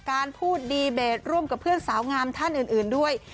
การพูดดีเบตร่วมกับเพื่อนสาวงามท่านอื่นด้วย